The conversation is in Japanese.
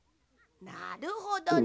なるほどね。